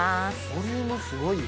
ボリュームすごいよ。